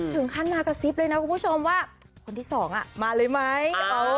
ถึงขั้นมากระซิบเลยนะคุณผู้ชมว่าคนที่สองมาเลยไหม